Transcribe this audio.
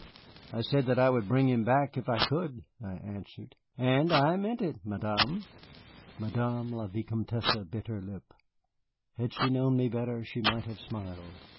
"I said that I would bring him back if I could," I answered, "and I meant it, Madame." Madame la Vicomtesse bit her lip. Had she known me better, she might have smiled.